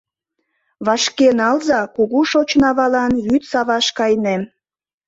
Вашке налза, кугу шочын авалан вуй саваш кайынем...